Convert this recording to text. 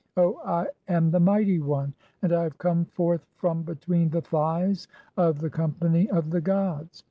O, I am the mighty one, (7) "and I have come forth from between the thighs of the com "pany of the gods.